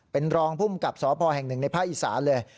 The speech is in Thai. เป็นรองภูมิกับสพแห่งหนึ่งในภาคอีสานเลย